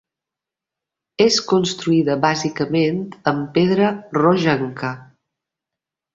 És construïda bàsicament amb pedra rogenca.